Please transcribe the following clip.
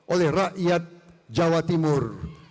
oleh rakyat jawa timur